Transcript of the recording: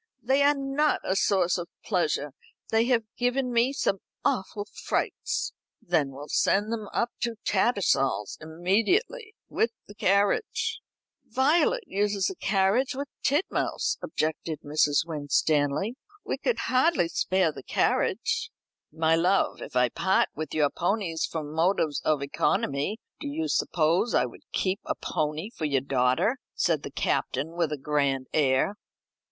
"They are not a source of pleasure. They have given me some awful frights." "Then we'll send them up to Tattersall's immediately, with the carriage." "Violet uses the carriage with Titmouse." objected Mrs. Winstanley. "We could hardly spare the carriage." "My love, if I part with your ponies from motives of economy, do you suppose I would keep a pony for your daughter?" said the Captain with a grand air.